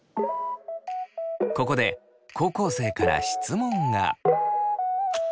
ここで高校生から質問が。